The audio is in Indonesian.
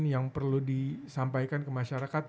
yang perlu disampaikan ke masyarakat